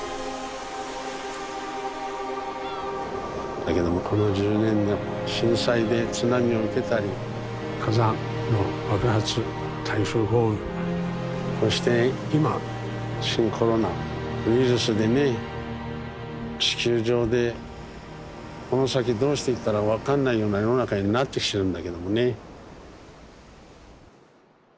だけどもこの１０年で震災で津波を受けたり火山の爆発台風豪雨そして今新コロナウイルスでね地球上でこの先どうしていったら分かんないような世の中になってきてるんだけどもね。